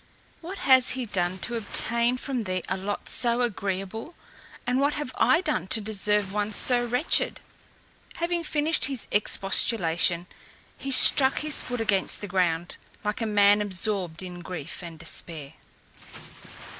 What has he done to obtain from thee a lot so agreeable? And what have I done to deserve one so wretched?" Having finished his expostulation, he struck his foot against the ground, like a man absorbed in grief and despair.